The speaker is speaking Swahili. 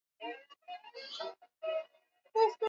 Bantu beko na teswa nju ya ku kosa ku rima